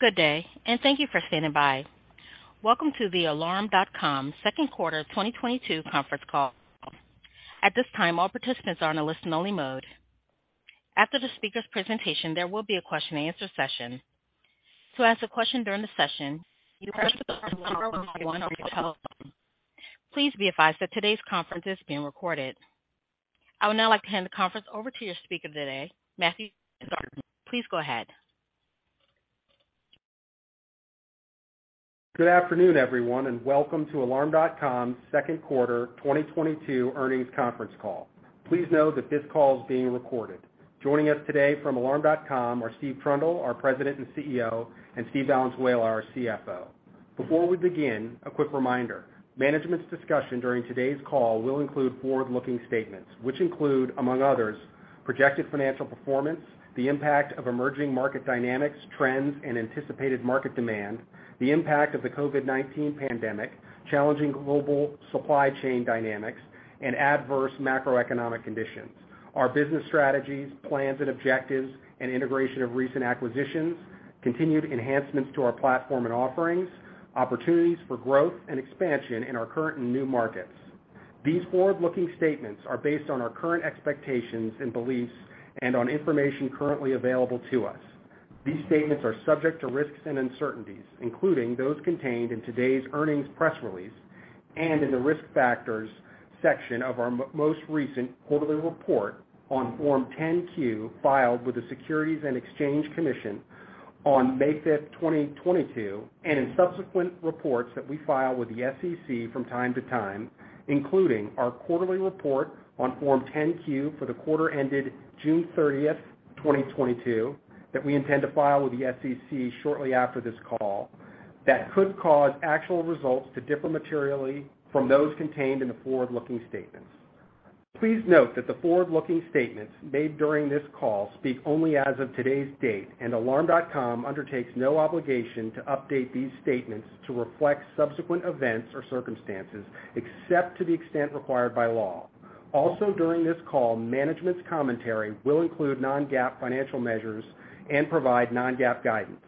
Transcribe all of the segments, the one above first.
Good day, and thank you for standing by. Welcome to the Alarm.com second quarter 2022 conference call. At this time, all participants are in a listen only mode. After the speaker's presentation, there will be a question and answer session. To ask a question during the session, you press star zero then one on your telephone. Please be advised that today's conference is being recorded. I would now like to hand the conference over to your speaker today, Matthew Zartman. Please go ahead. Good afternoon, everyone, and welcome to Alarm.com's Second Quarter 2022 Earnings Conference Call. Please know that this call is being recorded. Joining us today from Alarm.com are Steve Trundle, our President and CEO, and Steve Valenzuela, our CFO. Before we begin, a quick reminder. Management's discussion during today's call will include forward-looking statements, which include, among others, projected financial performance, the impact of emerging market dynamics, trends, and anticipated market demand, the impact of the COVID-19 pandemic, challenging global supply chain dynamics and adverse macroeconomic conditions, our business strategies, plans and objectives and integration of recent acquisitions, continued enhancements to our platform and offerings, opportunities for growth and expansion in our current and new markets. These forward-looking statements are based on our current expectations and beliefs and on information currently available to us. These statements are subject to risks and uncertainties, including those contained in today's earnings press release and in the Risk Factors section of our most recent quarterly report on Form 10-Q filed with the Securities and Exchange Commission on May 5th, 2022, and in subsequent reports that we file with the SEC from time to time, including our quarterly report on Form 10-Q for the quarter ended June 30th, 2022, that we intend to file with the SEC shortly after this call that could cause actual results to differ materially from those contained in the forward-looking statements. Please note that the forward-looking statements made during this call speak only as of today's date, and Alarm.com undertakes no obligation to update these statements to reflect subsequent events or circumstances, except to the extent required by law. Also, during this call, management's commentary will include non-GAAP financial measures and provide non-GAAP guidance.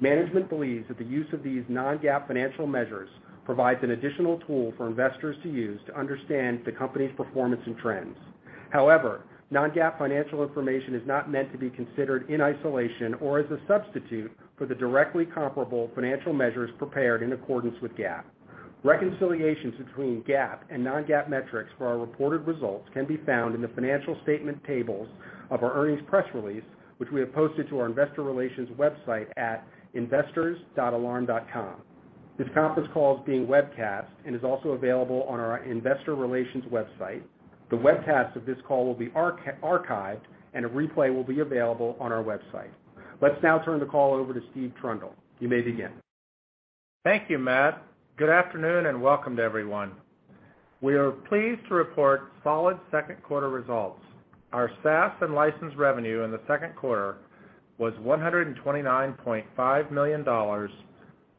Management believes that the use of these non-GAAP financial measures provides an additional tool for investors to use to understand the company's performance and trends. However, non-GAAP financial information is not meant to be considered in isolation or as a substitute for the directly comparable financial measures prepared in accordance with GAAP. Reconciliations between GAAP and non-GAAP metrics for our reported results can be found in the financial statement tables of our earnings press release, which we have posted to our investor relations website at investors.alarm.com. This conference call is being webcast and is also available on our investor relations website. The webcast of this call will be archived and a replay will be available on our website. Let's now turn the call over to Steve Trundle. You may begin. Thank you, Matt. Good afternoon, and welcome to everyone. We are pleased to report solid second quarter results. Our SaaS and licensed revenue in the second quarter was $129.5 million,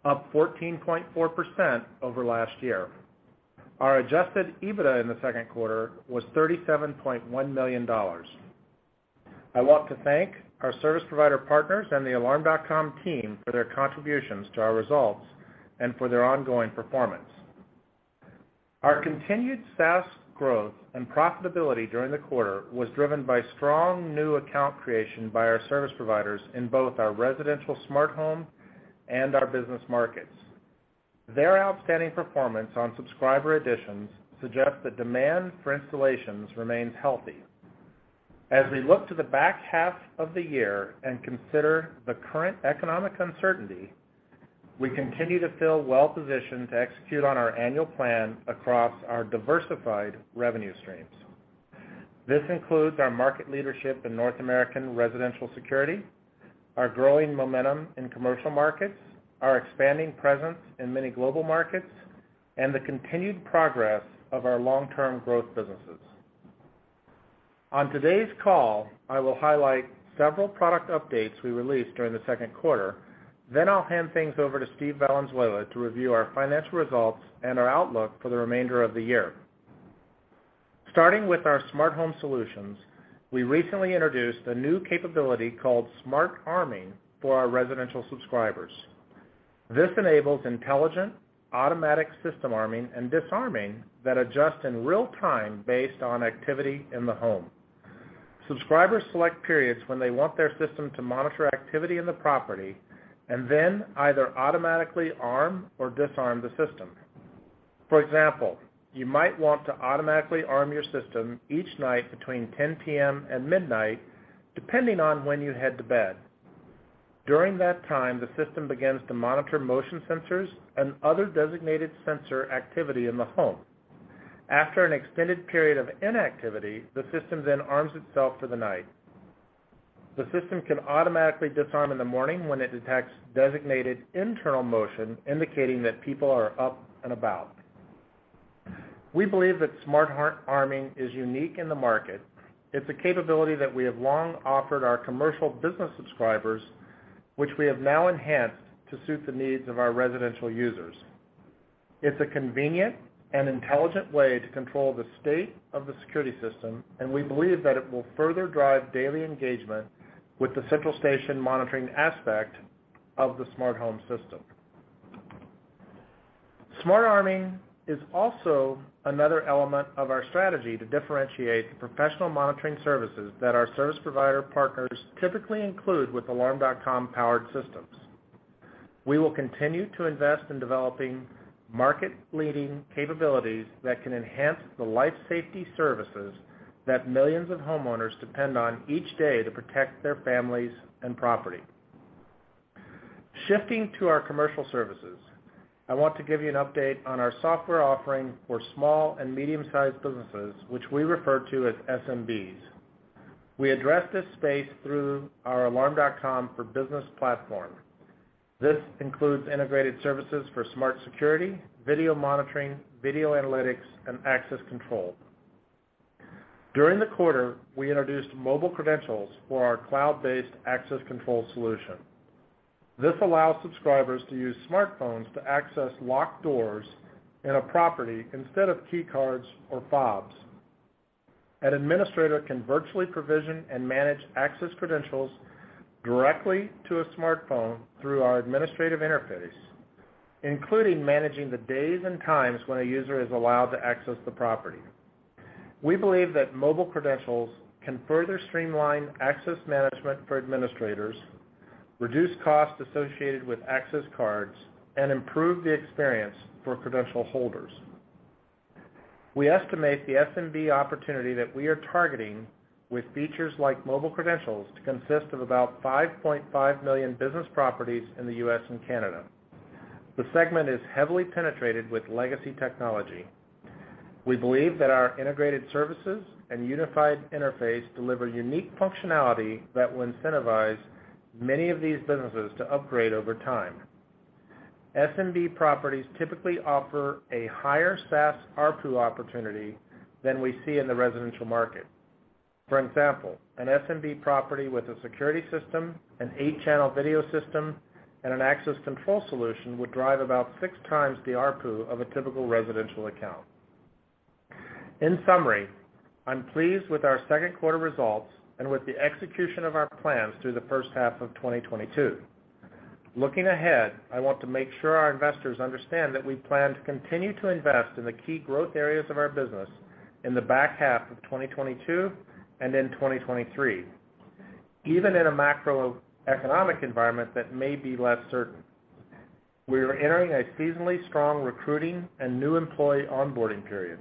up 14.4% over last year. Our adjusted EBITDA in the second quarter was $37.1 million. I want to thank our service provider partners and the Alarm.com team for their contributions to our results and for their ongoing performance. Our continued SaaS growth and profitability during the quarter was driven by strong new account creation by our service providers in both our residential smart home and our business markets. Their outstanding performance on subscriber additions suggest that demand for installations remains healthy. As we look to the back half of the year and consider the current economic uncertainty, we continue to feel well positioned to execute on our annual plan across our diversified revenue streams. This includes our market leadership in North American residential security, our growing momentum in commercial markets, our expanding presence in many global markets, and the continued progress of our long-term growth businesses. On today's call, I will highlight several product updates we released during the second quarter. Then I'll hand things over to Steve Valenzuela to review our financial results and our outlook for the remainder of the year. Starting with our smart home solutions, we recently introduced a new capability called Smart Arming for our residential subscribers. This enables intelligent, automatic system arming and disarming that adjust in real time based on activity in the home. Subscribers select periods when they want their system to monitor activity in the property and then either automatically arm or disarm the system. For example, you might want to automatically arm your system each night between 10 P.M. and midnight, depending on when you head to bed. During that time, the system begins to monitor motion sensors and other designated sensor activity in the home. After an extended period of inactivity, the system then arms itself for the night. The system can automatically disarm in the morning when it detects designated internal motion, indicating that people are up and about. We believe that Smart Arming is unique in the market. It's a capability that we have long offered our commercial business subscribers, which we have now enhanced to suit the needs of our residential users. It's a convenient and intelligent way to control the state of the security system, and we believe that it will further drive daily engagement with the central station monitoring aspect of the smart home system. Smart Arming is also another element of our strategy to differentiate the professional monitoring services that our service provider partners typically include with Alarm.com-powered systems. We will continue to invest in developing market-leading capabilities that can enhance the life safety services that millions of homeowners depend on each day to protect their families and property. Shifting to our commercial services, I want to give you an update on our software offering for small and medium-sized businesses, which we refer to as SMBs. We address this space through our Alarm.com for Business platform. This includes integrated services for smart security, video monitoring, video analytics, and access control. During the quarter, we introduced mobile credentials for our cloud-based access control solution. This allows subscribers to use smartphones to access locked doors in a property instead of key cards or fobs. An administrator can virtually provision and manage access credentials directly to a smartphone through our administrative interface, including managing the days and times when a user is allowed to access the property. We believe that mobile credentials can further streamline access management for administrators, reduce costs associated with access cards, and improve the experience for credential holders. We estimate the SMB opportunity that we are targeting with features like mobile credentials to consist of about 5.5 million business properties in the U.S. and Canada. The segment is heavily penetrated with legacy technology. We believe that our integrated services and unified interface deliver unique functionality that will incentivize many of these businesses to upgrade over time. SMB properties typically offer a higher SaaS ARPU opportunity than we see in the residential market. For example, an SMB property with a security system, an 8-channel video system, and an access control solution would drive about 6 times the ARPU of a typical residential account. In summary, I'm pleased with our second quarter results and with the execution of our plans through the first half of 2022. Looking ahead, I want to make sure our investors understand that we plan to continue to invest in the key growth areas of our business in the back half of 2022 and in 2023, even in a macroeconomic environment that may be less certain. We are entering a seasonally strong recruiting and new employee onboarding period.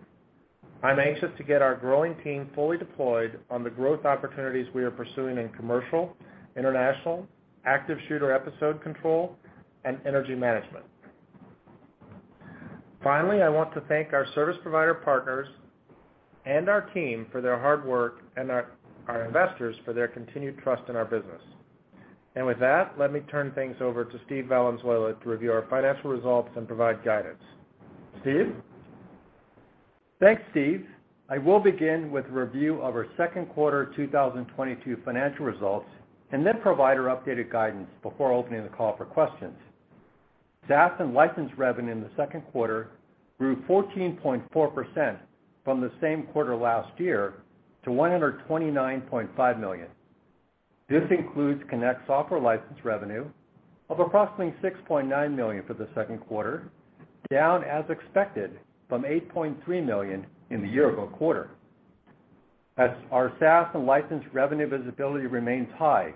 I'm anxious to get our growing team fully deployed on the growth opportunities we are pursuing in commercial, international, active shooter detection, and energy management. Finally, I want to thank our service provider partners and our team for their hard work and our investors for their continued trust in our business. With that, let me turn things over to Steve Valenzuela to review our financial results and provide guidance. Steve? Thanks, Steve. I will begin with a review of our second quarter 2022 financial results and then provide our updated guidance before opening the call for questions. SaaS and license revenue in the second quarter grew 14.4% from the same quarter last year to $129.5 million. This includes Connect software license revenue of approximately $6.9 million for the second quarter, down as expected from $8.3 million in the year-ago quarter. As our SaaS and license revenue visibility remains high,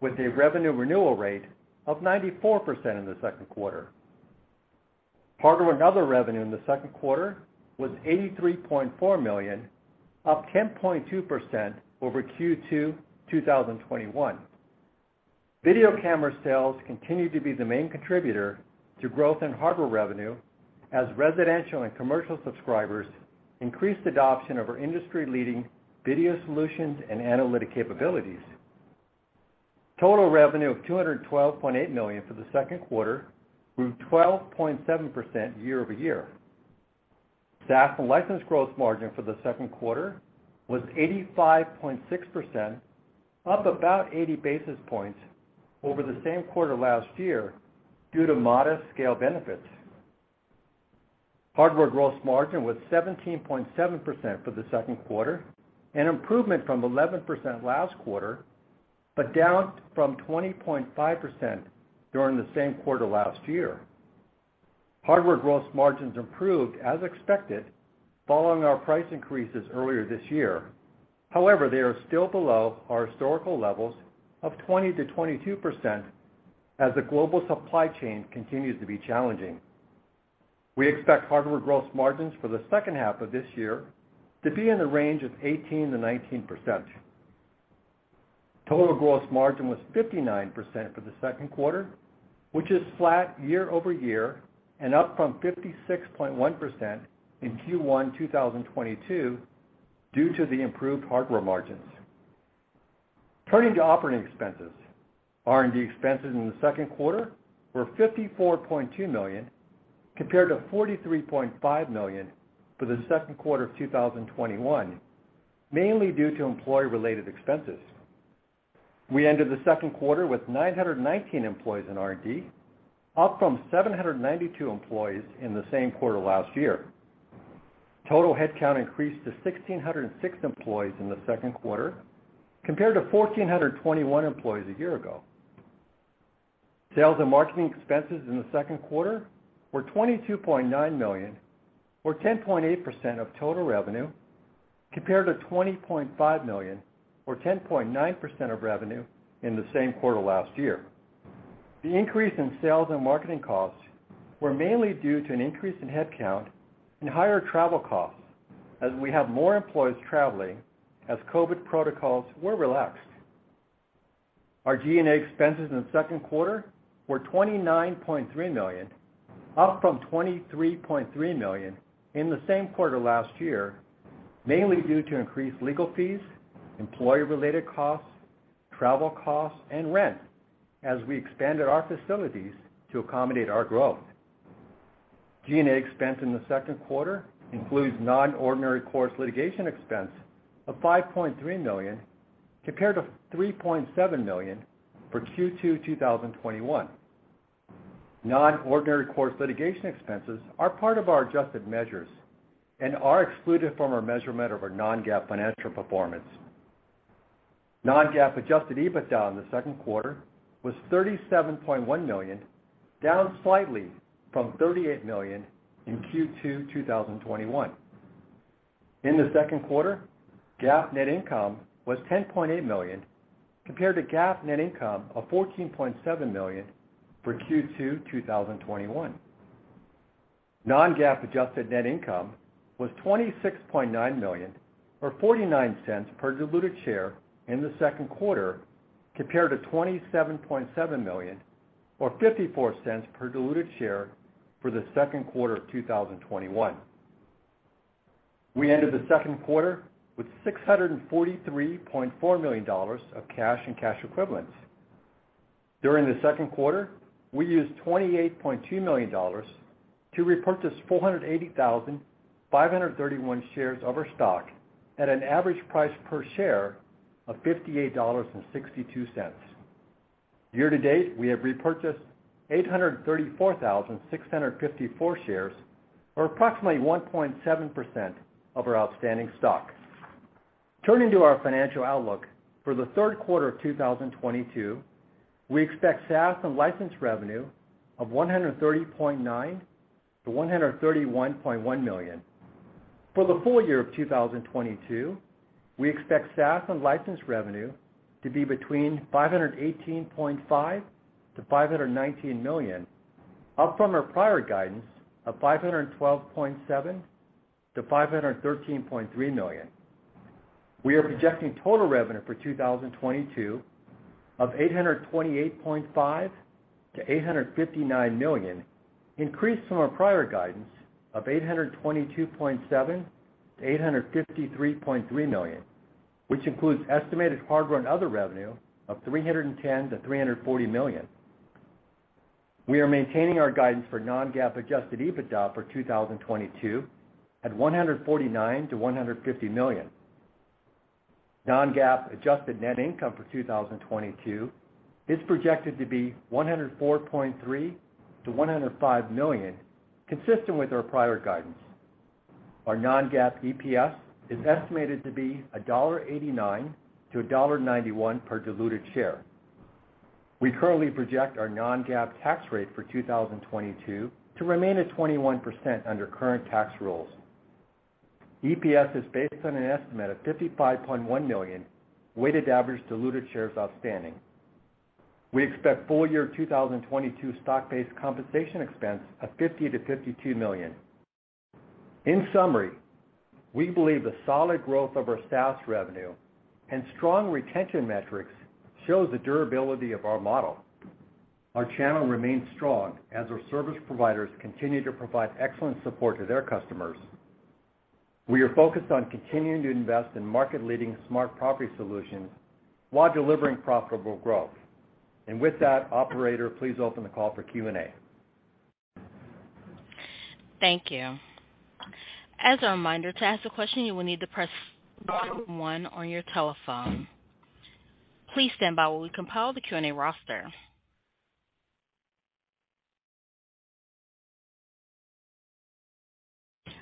with a revenue renewal rate of 94% in the second quarter. Hardware and other revenue in the second quarter was $83.4 million, up 10.2% over Q2 2021. Video camera sales continued to be the main contributor to growth in hardware revenue as residential and commercial subscribers increased adoption of our industry-leading video solutions and analytic capabilities. Total revenue of $212.8 million for the second quarter grew 12.7% year-over-year. SaaS and license gross margin for the second quarter was 85.6%, up about 80 basis points over the same quarter last year due to modest scale benefits. Hardware gross margin was 17.7% for the second quarter, an improvement from 11% last quarter, but down from 20.5% during the same quarter last year. Hardware gross margins improved as expected following our price increases earlier this year. However, they are still below our historical levels of 20%-22% as the global supply chain continues to be challenging. We expect hardware gross margins for the second half of this year to be in the range of 18%-19%. Total gross margin was 59% for the second quarter, which is flat year-over-year and up from 56.1% in Q1 2022 due to the improved hardware margins. Turning to operating expenses, R&D expenses in the second quarter were $54.2 million, compared to $43.5 million for the second quarter of 2021, mainly due to employee-related expenses. We ended the second quarter with 919 employees in R&D, up from 792 employees in the same quarter last year. Total headcount increased to 1,606 employees in the second quarter compared to 1,421 employees a year ago. Sales and marketing expenses in the second quarter were $22.9 million, or 10.8% of total revenue, compared to $20.5 million or 10.9% of revenue in the same quarter last year. The increase in sales and marketing costs were mainly due to an increase in headcount and higher travel costs as we have more employees traveling as COVID-19 protocols were relaxed. Our G&A expenses in the second quarter were $29.3 million, up from $23.3 million in the same quarter last year, mainly due to increased legal fees, employee-related costs, travel costs, and rent as we expanded our facilities to accommodate our growth. G&A expense in the second quarter includes non-ordinary course litigation expense of $5.3 million compared to $3.7 million for Q2 2021. Non-ordinary course litigation expenses are part of our adjusted measures and are excluded from our measurement of our non-GAAP financial performance. Non-GAAP adjusted EBITDA in the second quarter was $37.1 million, down slightly from $38 million in Q2 2021. In the second quarter, GAAP net income was $10.8 million compared to GAAP net income of $14.7 million for Q2 2021. Non-GAAP adjusted net income was $26.9 million, or $0.49 per diluted share in the second quarter compared to $27.7 million or $0.54 per diluted share for the second quarter of 2021. We ended the second quarter with $643.4 million of cash and cash equivalents. During the second quarter, we used $28.2 million to repurchase 480,551 shares of our stock at an average price per share of $58.62. Year to date, we have repurchased 834,654 shares, or approximately 1.7% of our outstanding stock. Turning to our financial outlook, for the third quarter of 2022, we expect SaaS and license revenue of $130.9 million-$131.1 million. For the full year of 2022, we expect SaaS and license revenue to be between $518.5 million-$519 million, up from our prior guidance of $512.7 million-$513.3 million. We are projecting total revenue for 2022 of $828.5 million-$859 million, increased from our prior guidance of $822.7 million-$853.3 million, which includes estimated hardware and other revenue of $310 million-$340 million. We are maintaining our guidance for non-GAAP adjusted EBITDA for 2022 at $149 million-$150 million. Non-GAAP adjusted net income for 2022 is projected to be $104.3 million-$105 million, consistent with our prior guidance. Our non-GAAP EPS is estimated to be $1.89-$1.91 per diluted share. We currently project our non-GAAP tax rate for 2022 to remain at 21% under current tax rules. EPS is based on an estimate of 55.1 million weighted average diluted shares outstanding. We expect full year 2022 stock-based compensation expense of $50 million-$52 million. In summary, we believe the solid growth of our SaaS revenue and strong retention metrics shows the durability of our model. Our channel remains strong as our service providers continue to provide excellent support to their customers. We are focused on continuing to invest in market-leading smart property solutions while delivering profitable growth. With that, operator, please open the call for Q&A. Thank you. As a reminder, to ask a question, you will need to press one on your telephone. Please stand by while we compile the Q&A roster.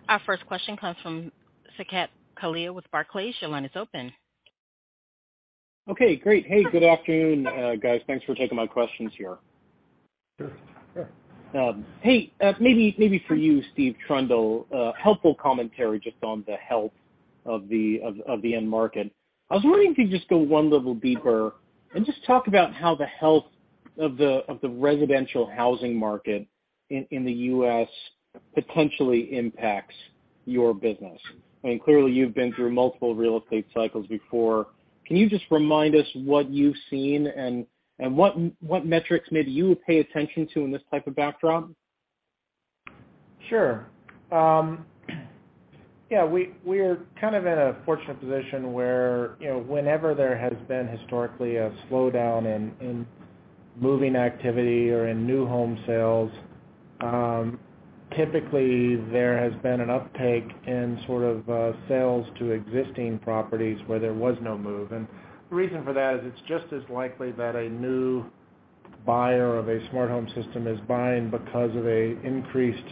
Our first question comes from Saket Kalia with Barclays. Your line is open. Okay, great. Hey, good afternoon, guys. Thanks for taking my questions here. Sure. Sure. Hey, maybe for you, Steve Trundle, helpful commentary just on the health of the end market. I was wondering if you just go one level deeper and just talk about how the health of the residential housing market in the U.S. potentially impacts your business. I mean, clearly you've been through multiple real estate cycles before. Can you just remind us what you've seen and what metrics maybe you would pay attention to in this type of backdrop? Sure. Yeah, we are kind of in a fortunate position where, you know, whenever there has been historically a slowdown in moving activity or in new home sales typically there has been an uptake in sort of sales to existing properties where there was no move. The reason for that is it's just as likely that a new buyer of a smart home system is buying because of a increased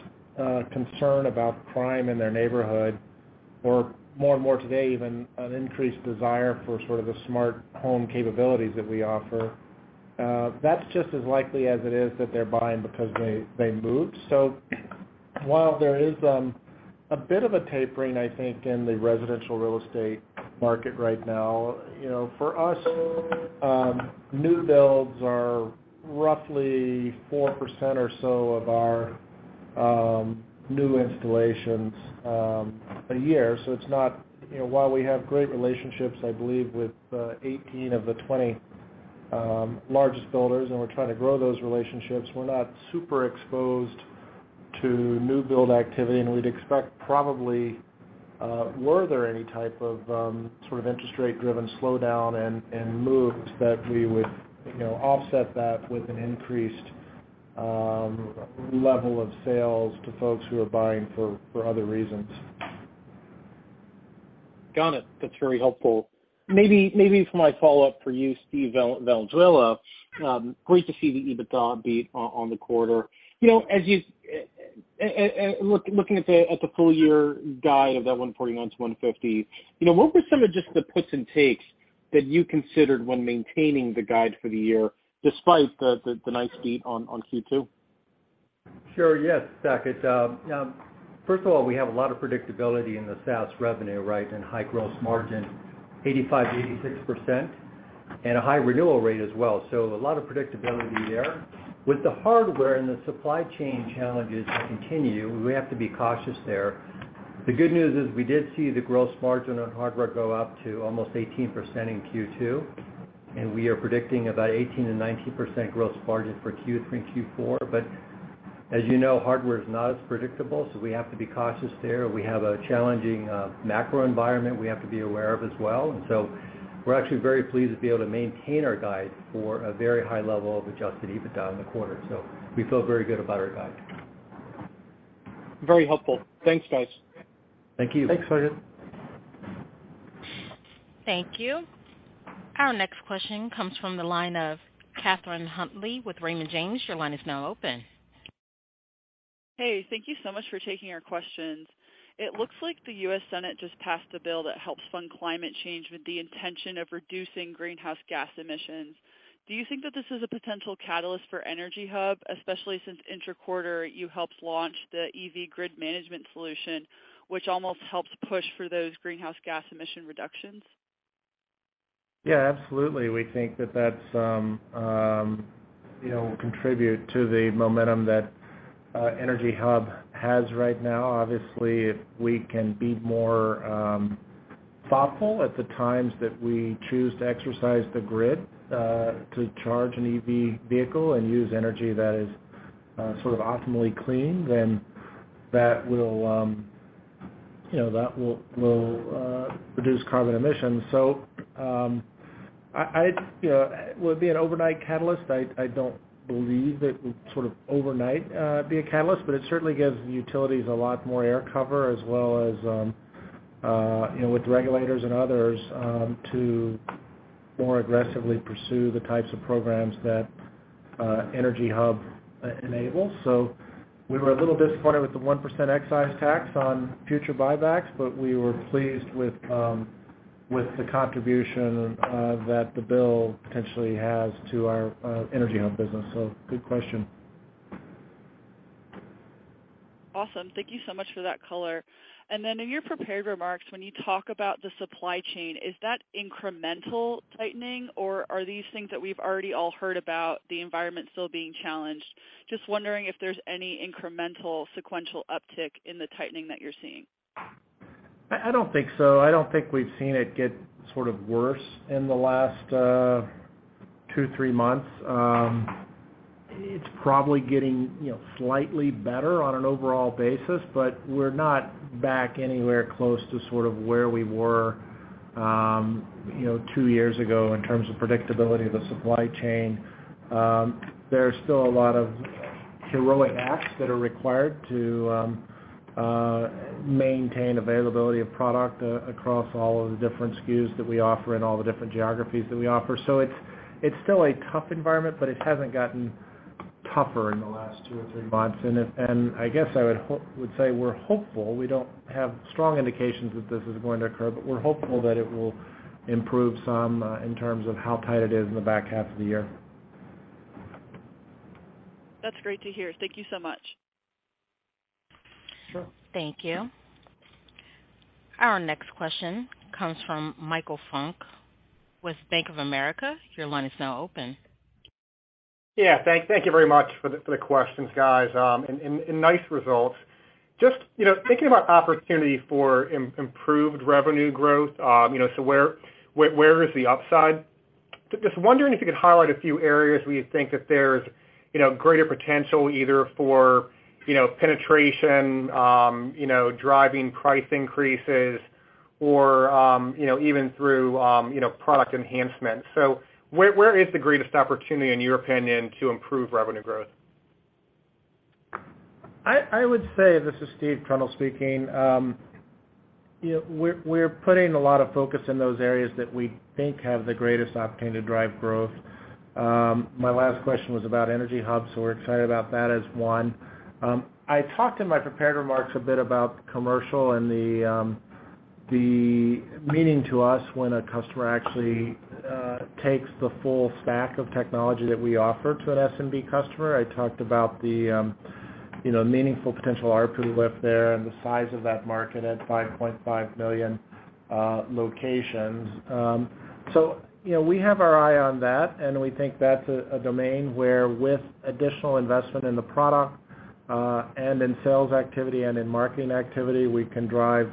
concern about crime in their neighborhood or more and more today, even an increased desire for sort of the smart home capabilities that we offer. That's just as likely as it is that they're buying because they moved. While there is a bit of a tapering, I think, in the residential real estate market right now, you know, for us, new builds are roughly 4% or so of our new installations a year. It's not, you know, while we have great relationships, I believe, with 18 of the 20 largest builders, and we're trying to grow those relationships, we're not super exposed to new build activity. We'd expect probably were there any type of sort of interest rate-driven slowdown and moves that we would, you know, offset that with an increased level of sales to folks who are buying for other reasons. Got it. That's very helpful. Maybe for my follow-up for you, Steve Valenzuela, great to see the EBITDA beat on the quarter. You know, as you looking at the full year guide of 149-150, you know, what were some of just the puts and takes that you considered when maintaining the guide for the year despite the nice beat on Q2? Sure. Yes, Saket. First of all, we have a lot of predictability in the SaaS revenue, right, and high gross margin, 85%-86%, and a high renewal rate as well. A lot of predictability there. With the hardware and the supply chain challenges to continue, we have to be cautious there. The good news is we did see the gross margin on hardware go up to almost 18% in Q2, and we are predicting about 18%-19% gross margin for Q3 and Q4. As you know, hardware is not as predictable, so we have to be cautious there. We have a challenging macro environment we have to be aware of as well. We're actually very pleased to be able to maintain our guide for a very high level of adjusted EBITDA in the quarter. We feel very good about our guide. Very helpful. Thanks, guys. Thank you. Thanks, Saket. Thank you. Our next question comes from the line of Adam Tindle with Raymond James. Your line is now open. Hey, thank you so much for taking our questions. It looks like the U.S. Senate just passed a bill that helps fund climate change with the intention of reducing greenhouse gas emissions. Do you think that this is a potential catalyst for EnergyHub, especially since in the quarter you helped launch the EV grid management solution, which also helps push for those greenhouse gas emission reductions? Yeah, absolutely. We think that that's, you know, contribute to the momentum that EnergyHub has right now. Obviously, if we can be more thoughtful at the times that we choose to exercise the grid, to charge an EV vehicle and use energy that is sort of optimally clean, then that will, you know, reduce carbon emissions. I you know will it be an overnight catalyst? I don't believe that it would sort of overnight be a catalyst, but it certainly gives the utilities a lot more air cover, as well as, you know, with regulators and others, to more aggressively pursue the types of programs that EnergyHub enables. We were a little disappointed with the 1% excise tax on future buybacks, but we were pleased with the contribution that the bill potentially has to our EnergyHub business. Good question. Awesome. Thank you so much for that color. In your prepared remarks, when you talk about the supply chain, is that incremental tightening, or are these things that we've already all heard about the environment still being challenged? Just wondering if there's any incremental sequential uptick in the tightening that you're seeing. I don't think so. I don't think we've seen it get sort of worse in the last two-three months. It's probably getting, you know, slightly better on an overall basis, but we're not back anywhere close to sort of where we were, you know, two years ago in terms of predictability of the supply chain. There are still a lot of heroic acts that are required to maintain availability of product across all of the different SKUs that we offer and all the different geographies that we offer. So it's still a tough environment, but it hasn't gotten tougher in the last two or three months. I guess I would say we're hopeful. We don't have strong indications that this is going to occur, but we're hopeful that it will improve some, in terms of how tight it is in the back half of the year. That's great to hear. Thank you so much. Sure. Thank you. Our next question comes from Michael Funk with Bank of America. Your line is now open. Yeah. Thank you very much for the questions, guys. Nice results. Just, you know, thinking about opportunity for improved revenue growth, you know, where is the upside? Just wondering if you could highlight a few areas where you think that there's, you know, greater potential either for, you know, penetration, driving price increases. You know, even through, you know, product enhancement. Where is the greatest opportunity, in your opinion, to improve revenue growth? I would say, this is Steve Trundle speaking, you know, we're putting a lot of focus in those areas that we think have the greatest opportunity to drive growth. My last question was about EnergyHub, so we're excited about that as one. I talked in my prepared remarks a bit about commercial and the meaning to us when a customer actually takes the full stack of technology that we offer to an SMB customer. I talked about, you know, meaningful potential ARPU lift there and the size of that market at 5.5 million locations. You know, we have our eye on that, and we think that's a domain where with additional investment in the product, and in sales activity and in marketing activity, we can drive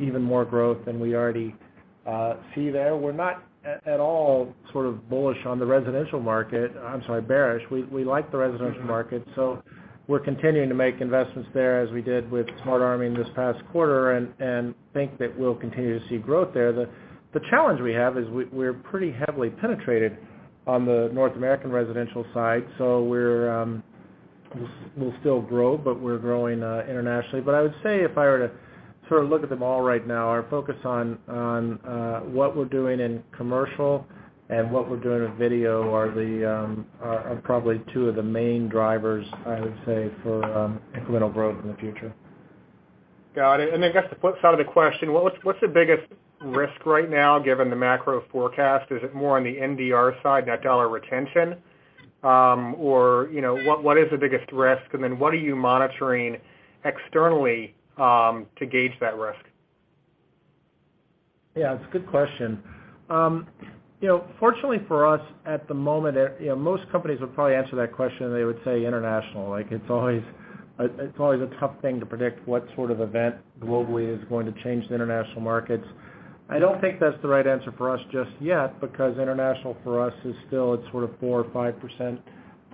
even more growth than we already see there. We're not at all sort of bullish on the residential market. I'm sorry, bearish. We like the residential market, so we're continuing to make investments there as we did with Smart Arming this past quarter and think that we'll continue to see growth there. The challenge we have is we're pretty heavily penetrated on the North American residential side. We'll still grow, but we're growing internationally. I would say if I were to sort of look at them all right now, our focus on what we're doing in commercial and what we're doing with video are probably two of the main drivers, I would say, for incremental growth in the future. Got it. I guess the flip side of the question, what's the biggest risk right now given the macro forecast? Is it more on the NDR side, net dollar retention? Or, you know, what is the biggest risk? What are you monitoring externally to gauge that risk? Yeah, it's a good question. You know, fortunately for us, at the moment, you know, most companies would probably answer that question, and they would say international. Like, it's always a tough thing to predict what sort of event globally is going to change the international markets. I don't think that's the right answer for us just yet because international for us is still at sort of 4% or 5%,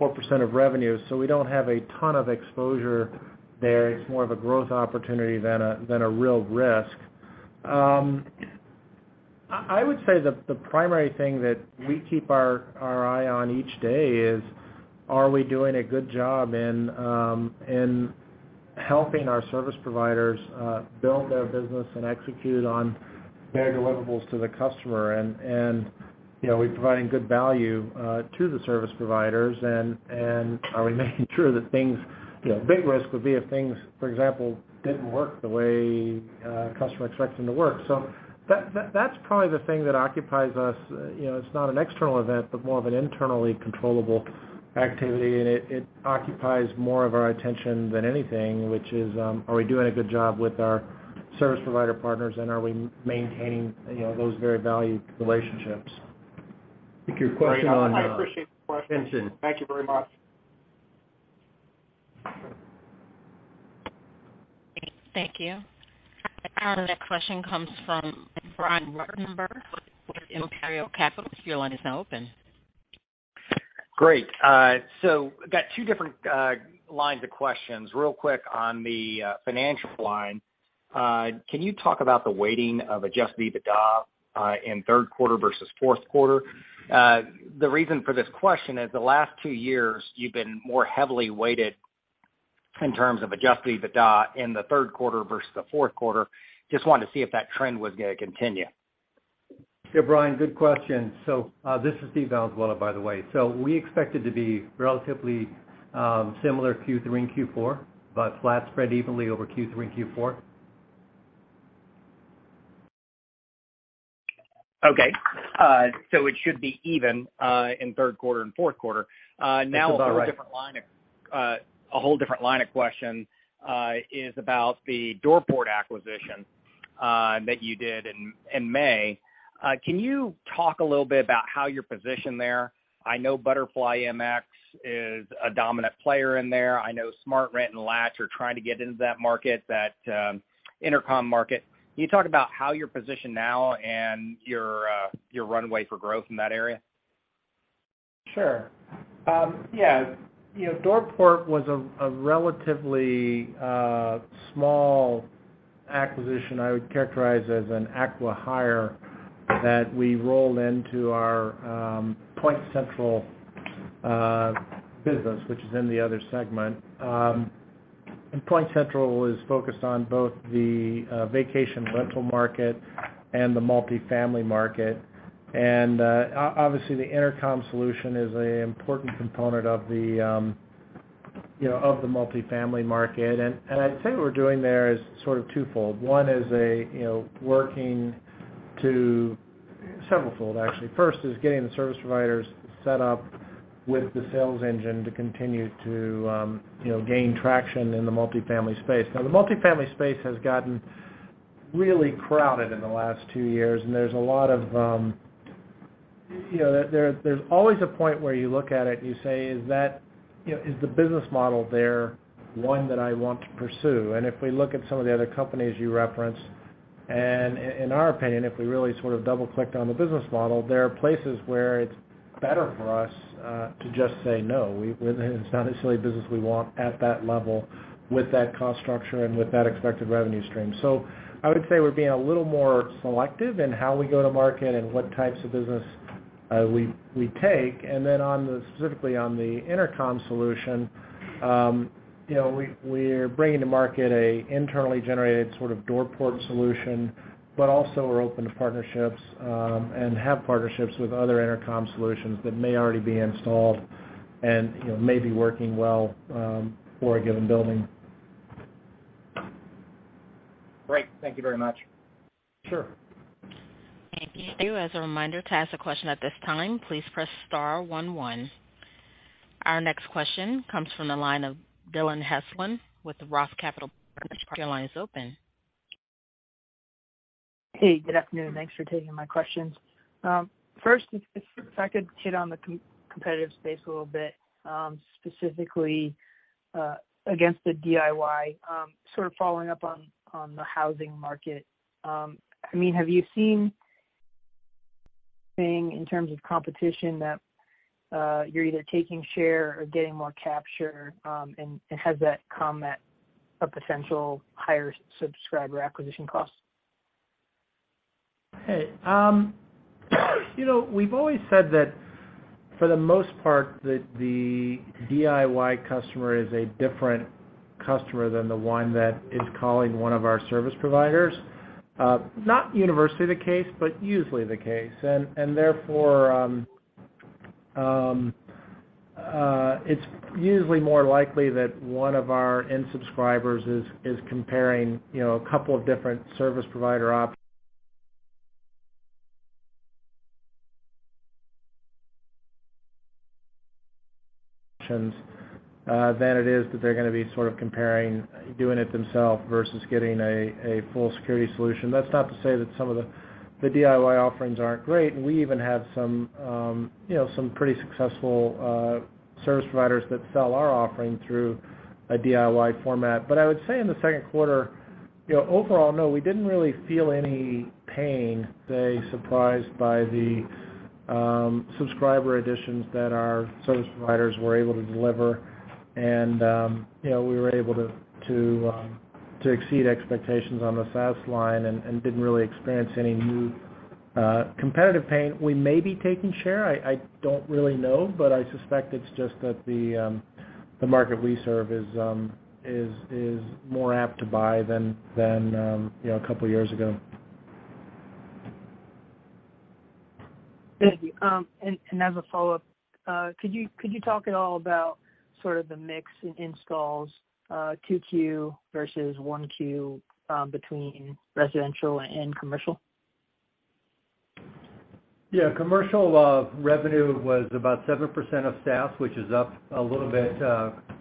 4% of revenue. So we don't have a ton of exposure there. It's more of a growth opportunity than a real risk. I would say the primary thing that we keep our eye on each day is, are we doing a good job in helping our service providers build their business and execute on their deliverables to the customer? You know, are we providing good value to the service providers, and are we making sure that things, you know, big risk would be if things, for example, didn't work the way a customer expects them to work. That's probably the thing that occupies us. You know, it's not an external event, but more of an internally controllable activity. It occupies more of our attention than anything, which is, are we doing a good job with our service provider partners, and are we maintaining, you know, those very valued relationships? I think your question on. I appreciate the question. Tension. Thank you very much. Thank you. Our next question comes from Brian Ruttenbur with Imperial Capital. Your line is now open. Great. Got two different lines of questions. Real quick on the financial line. Can you talk about the weighting of adjusted EBITDA in third quarter versus fourth quarter? The reason for this question is the last two years, you've been more heavily weighted in terms of adjusted EBITDA in the third quarter versus the fourth quarter. Just wanted to see if that trend was gonna continue. Yeah, Brian, good question. This is Steve Valenzuela, by the way. We expect it to be relatively similar Q3 and Q4, but flat spread evenly over Q3 and Q4. Okay. It should be even in third quarter and fourth quarter. This is all right. A whole different line of question is about the Doorport acquisition that you did in May. Can you talk a little bit about how you're positioned there? I know ButterflyMX is a dominant player in there. I know SmartRent and Latch are trying to get into that market, that intercom market. Can you talk about how you're positioned now and your runway for growth in that area? Sure. You know, Doorport was a relatively small acquisition I would characterize as an acqui-hire that we rolled into our PointCentral business, which is in the other segment. PointCentral is focused on both the vacation rental market and the multifamily market. Obviously, the intercom solution is an important component of the multifamily market. I'd say what we're doing there is sort of twofold. One is you know, severalfold actually. First is getting the service providers set up with the sales engine to continue to gain traction in the multifamily space. Now, the multifamily space has gotten really crowded in the last two years, and there's a lot of, you know, there's always a point where you look at it and you say, is that, you know, is the business model there one that I want to pursue? If we look at some of the other companies you referenced, and in our opinion, if we really sort of double-clicked on the business model, there are places where it's better for us to just say, no, it's not necessarily a business we want at that level with that cost structure and with that expected revenue stream. I would say we're being a little more selective in how we go to market and what types of business we take. Specifically on the intercom solution, you know, we're bringing to market an internally generated sort of Doorport solution, but also we're open to partnerships, and have partnerships with other intercom solutions that may already be installed and, you know, may be working well, for a given building. Great. Thank you very much. Sure. Thank you. As a reminder, to ask a question at this time, please press star one. Our next question comes from the line of Dillon Heslin with Roth Capital Partners. Your line is open. Hey, good afternoon. Thanks for taking my questions. First, if I could hit on the competitive space a little bit, specifically against the DIY, sort of following up on the housing market. I mean, have you seen in terms of competition that you're either taking share or getting more capture, and has that come at a potential higher subscriber acquisition cost? Hey, you know, we've always said that for the most part, the DIY customer is a different customer than the one that is calling one of our service providers. Not universally the case, but usually the case. Therefore, it's usually more likely that one of our end subscribers is comparing, you know, a couple of different service provider options than it is that they're gonna be sort of comparing doing it themselves versus getting a full security solution. That's not to say that some of the DIY offerings aren't great, and we even have some, you know, some pretty successful service providers that sell our offering through a DIY format. I would say in the second quarter, you know, overall, no, we didn't really feel any pain, say, surprised by the subscriber additions that our service providers were able to deliver. You know, we were able to exceed expectations on the SaaS line and didn't really experience any new competitive pain. We may be taking share, I don't really know. I suspect it's just that the market we serve is more apt to buy than you know, a couple of years ago. Thank you. As a follow-up, could you talk at all about sort of the mix in installs, 2Q versus 1Q, between residential and commercial? Commercial revenue was about 7% of SaaS, which is up a little bit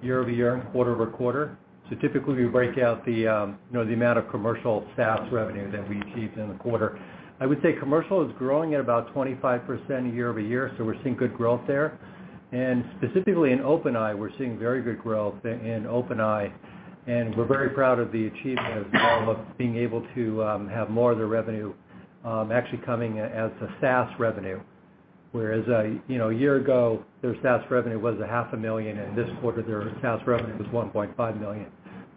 year-over-year and quarter-over-quarter. Typically, we break out you know, the amount of commercial SaaS revenue that we achieved in the quarter. I would say commercial is growing at about 25% year-over-year, so we're seeing good growth there. Specifically in OpenEye, we're seeing very good growth in OpenEye, and we're very proud of the achievement of being able to have more of the revenue actually coming as a SaaS revenue. Whereas you know, a year ago, their SaaS revenue was $ half a million, and this quarter their SaaS revenue was $1.5 million.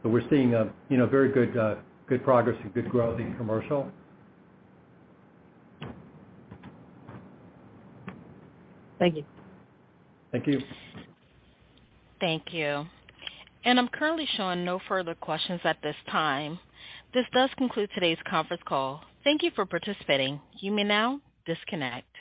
We're seeing you know, very good progress and good growth in commercial. Thank you. Thank you. Thank you. I'm currently showing no further questions at this time. This does conclude today's conference call. Thank you for participating. You may now disconnect.